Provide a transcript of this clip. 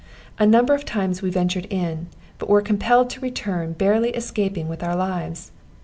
A number of times we ventured in, but were compelled to return, barely escaping with our lives.